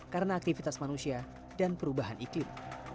karena aktivitas manusia dan perubahan iklim